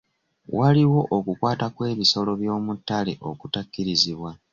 Waliwo okukwata kw'ebisolo by'omu ttale okutakkirizibwa.